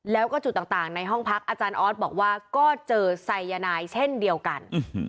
แล้วก็จุดต่างในห้องพักอาจารย์ออสบอกว่าก็เจอไซยานายเช่นเดียวกัน